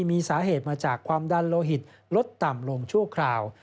มีสาเหตุมาจากความดันโลหิตลดต่ำลงชั่วคราว